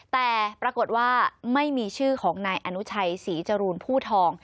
แต่ปรากฏว่าไม่มีชื่อของนายอนุชัยศรีจรูนผู้ทอง